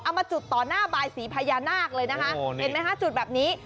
มาจุดต่อหน้าบายสีพญานาคเลยนะคะเห็นไหมคะจุดแบบนี้